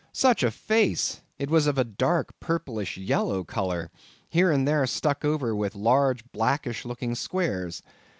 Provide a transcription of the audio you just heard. Such a face! It was of a dark, purplish, yellow colour, here and there stuck over with large blackish looking squares.